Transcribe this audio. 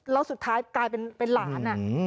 แล้วสุดท้ายกลายเป็นหลาน